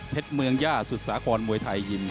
เพชรเมืองย่าสุศากรมวยไทยยินทร์